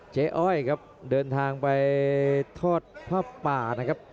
อ้อยครับเดินทางไปทอดผ้าป่านะครับ